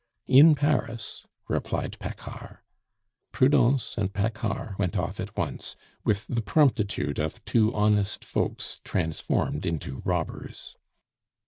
"In Paris," replied Paccard. Prudence and Paccard went off at once, with the promptitude of two honest folks transformed into robbers.